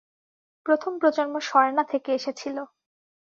প্রথম প্রজন্ম সর্না থেকে এসেছিল।